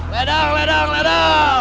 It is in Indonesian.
ledang ledang ledang